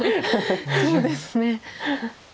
そうですね。